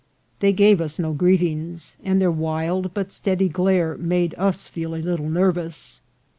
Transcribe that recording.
They gave us no greetings, and their wild but steady glare made us feel a little nervous.